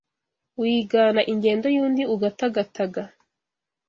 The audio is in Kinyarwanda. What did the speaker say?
Wigana ingendo y'undi ugatagataga